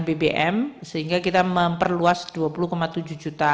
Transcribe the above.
bbm sehingga kita memperluas dua puluh tujuh juta